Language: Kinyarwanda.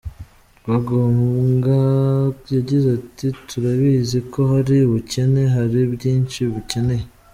Rwangombwa yagize ati ”Turabizi ko hari ubukene, hari byinshi mukeneye.